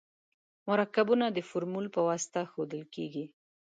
مرکبونه د فورمول په واسطه ښودل کیږي.